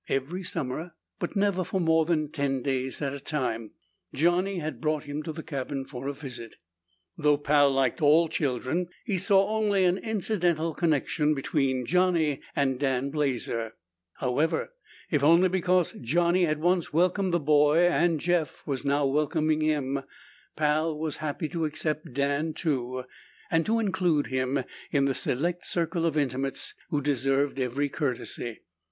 Every summer, but never for more than ten days at a time, Johnny had brought him to the cabin for a visit. Though Pal liked all children, he saw only an incidental connection between Johnny and Dan Blazer. However, if only because Johnny had once welcomed the boy and Jeff was now welcoming him, Pal was happy to accept Dan too and to include him in the select circle of intimates who deserved every courtesy.